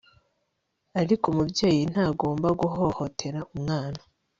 ariko umubyeyi ntagomba guhohotera umwana